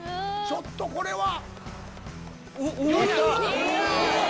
ちょっとこれは。